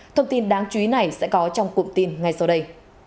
thông tin đáng chú ý này sẽ có trong cụm tin ngay sau đây